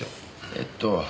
えっと。